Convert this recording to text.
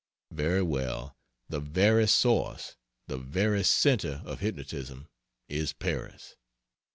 Very well; the very source, the very center of hypnotism is Paris.